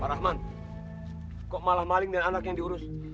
pak rahman kok malah maling dengan anak yang diurus